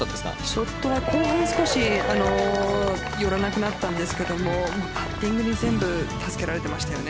ショットは後半少し寄らなくなったんですがパッティングに全部助けられていました。